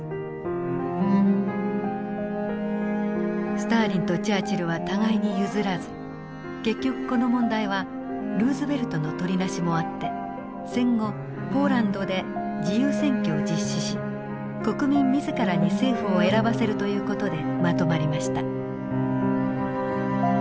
スターリンとチャーチルは互いに譲らず結局この問題はルーズベルトのとりなしもあって戦後ポーランドで自由選挙を実施し国民自らに政府を選ばせるという事でまとまりました。